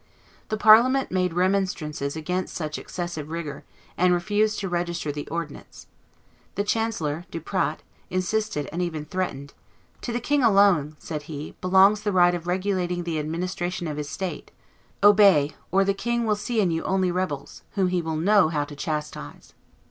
The Parliament made remonstrances against such excessive rigor, and refused to register the ordinance. The chancellor, Duprat, insisted, and even threatened. "To the king alone," said he, "belongs the right of regulating the administration of his state obey, or the king will see in you only rebels, whom he will know how to chastise."